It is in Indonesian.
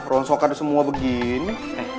ronsokan semua begini